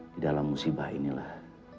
di dalam musibah inilah